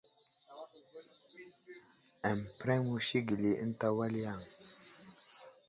Aməpəreŋ musi gəli ata ənta wal yaŋ.